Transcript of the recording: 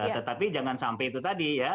tetapi jangan sampai itu tadi ya